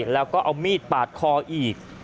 แล้วก็เอามีดปาดคออีก